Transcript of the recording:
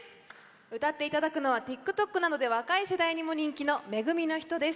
歌っていただくのはＴｉｋＴｏｋなどで若い世代にも人気の「め組のひと」です。